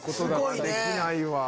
すごいね！